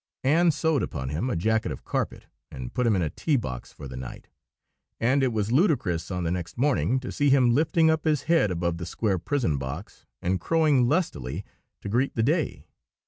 Anne sewed upon him a jacket of carpet, and put him in a tea box for the night; and it was ludicrous on the next morning to see him lifting up his head above the square prison box and crowing lustily to greet the day.